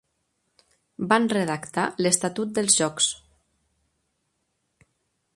Van redactar l'estatut dels jocs.